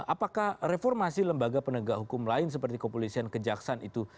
apakah reformasi lembaga penegak hukum lain seperti kepolisian kejaksaan itu